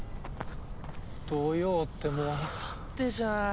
土曜ってもうあさってじゃん。